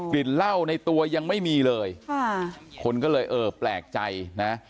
ลิ่นเหล้าในตัวยังไม่มีเลยค่ะคนก็เลยเออแปลกใจนะ